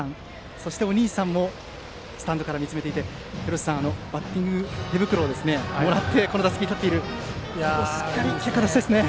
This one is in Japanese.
そして、お兄さんもスタンドから見つめていてバッティング手袋をもらって、打席に立っているので結果を出したいですね。